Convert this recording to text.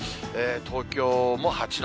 東京も８度。